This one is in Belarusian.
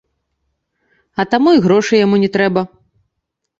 А таму і грошай яму не трэба.